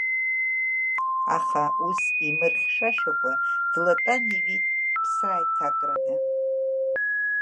Аха ус имырхьшәашәакәа, длатәан иҩит ԥсааиҭакрада.